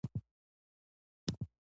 دویم دا چې سوژه باید کلیدي او محوري بڼه ولري.